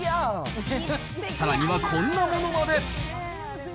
さらにはこんなものまで。